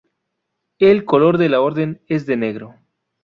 El color de la Orden es el negro.